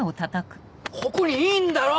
ここにいんだろ！